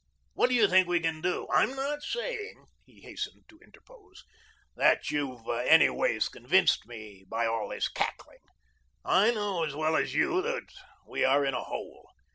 What do you think we can do? I'm not saying," he hastened to interpose, "that you've anyways convinced me by all this cackling. I know as well as you that we are in a hole.